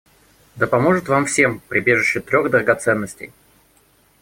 Да поможет вам всем прибежище трех драгоценностей!